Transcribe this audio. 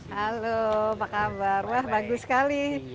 halo apa kabar wah bagus sekali